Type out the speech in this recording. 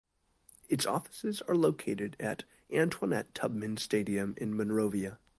Its offices are located at Antoinette Tubman Stadium in Monrovia.